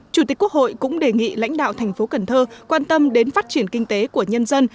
chủ tịch quốc hội cũng đề nghị lãnh đạo thành phố cần thơ quan tâm đến phát triển kinh tế của nhân dân